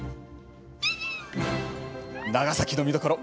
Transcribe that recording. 長崎の見どころ